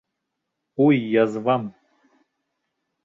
Уй, язвам!..